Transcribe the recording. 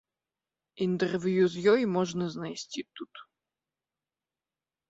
Інтэрв'ю з ёй можна знайсці тут.